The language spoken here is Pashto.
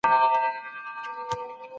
خپلي بریاوې به له نورو سره نمانځئ.